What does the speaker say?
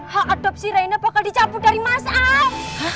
hak adopsi rina bakal dicampur dari masyarakat